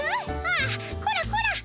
あこらこら。